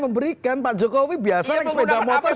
memberikan pak jokowi biasanya sepeda motor